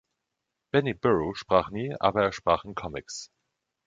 Benny Burro sprach nie, aber er sprach in Comics.